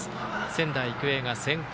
仙台育英が先攻。